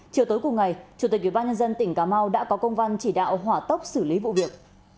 chiều tối cùng ngày chủ tịch ubnd tỉnh cà mau đã có công văn chỉ đạo hỏa tốc xử lý vụ việc